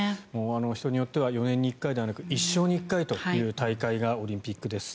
人によっては４年に１回ではなく一生に１回というのが大会がオリンピックです。